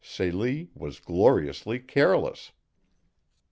Celie was gloriously careless.